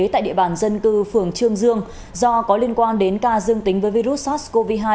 tại địa bàn dân cư phường trương dương do có liên quan đến ca dương tính với virus sars cov hai